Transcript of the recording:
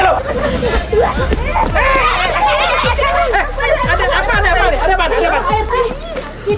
kita tinggal di situ aja sama anak buahnya bang krasan sama bang krasan ya